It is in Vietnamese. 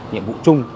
nhiệm vụ chủ yếu